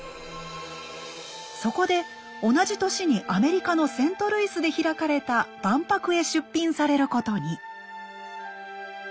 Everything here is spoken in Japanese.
そこで同じ年にアメリカのセントルイスで開かれた万博へ出品されることに。